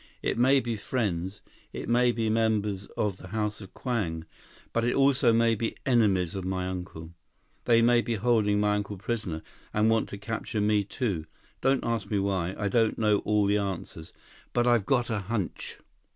It may be friends. It may be members of the House of Kwang. But, it also may be enemies of my uncle. They may be holding my uncle prisoner, and want to capture me, too. Don't ask me why, I don't know all the answers. But I've got a hunch."